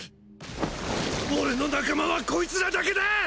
俺の仲間はこいつらだけだ！